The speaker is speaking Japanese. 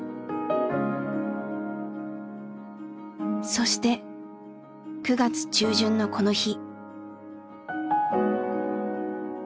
そして９月中旬のこの日。